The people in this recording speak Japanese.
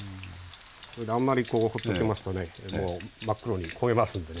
それであんまりこうほっときますとね真っ黒に焦げますんでね